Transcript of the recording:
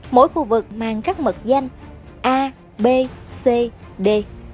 mỗi khu vực mang các mật danh a b c d